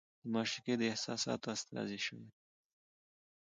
د معشوقې د احساساتو استازې شاعري